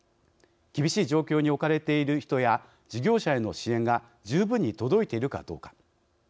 厳しい状況に置かれている人や事業者への支援が十分に届いているかどうか。